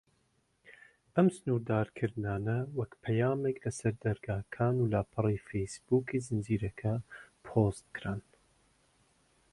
ئەم سنوردارکردنانە وەک پەیامێک لە سەر دەرگاکان و لاپەڕەی فەیس بووکی زنجیرەکە پۆست کران.